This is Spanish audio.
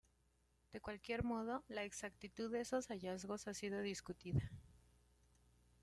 De cualquier modo, la exactitud de esos hallazgos ha sido discutida.